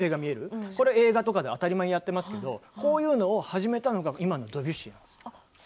音だけで情景が見える映画とかで当たり前にやってますがこういうの始めたのが今のドビュッシーなんですよ。